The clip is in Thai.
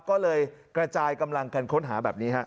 ก็เลยกระจายกำลังกันค้นหาแบบนี้ฮะ